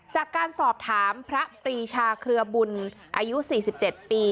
จากการสอบถามพระปรีชาเครือบุญอายุ๔๗ปี